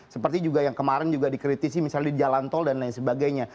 seperti juga yang kemarin dikritisi misalnya di jalantol dan lain sebagainya